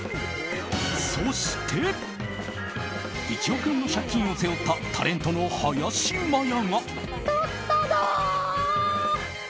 そして、１億円の借金を背負ったタレントの林マヤが。